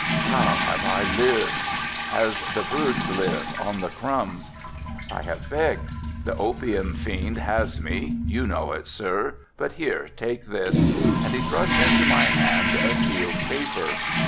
"How have I lived?" "As the birds live, on the crumbs. I have begged, the opium fiend has me, you know it, sir, but here take this," and he thrust into my hand a sealed paper.